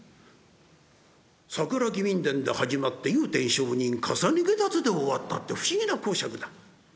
「佐倉義民伝」で始まって「祐天上人累解脱」で終わったって不思議な講釈だ。